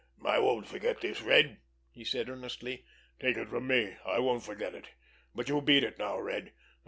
"I won't forget this, Red!" he said earnestly. "Take it from me, I won't forget it! But you beat it now, Red.